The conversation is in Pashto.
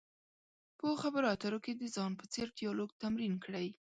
په خبرو اترو کې د ځان په څېر ډیالوګ تمرین کړئ.